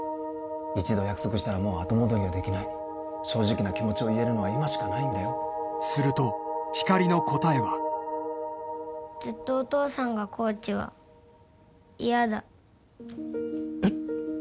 一度約束したらもう後戻りはできない正直な気持ちを言えるのは今しかないんだよするとひかりの答えはずっとお父さんがコーチは嫌だえっ！？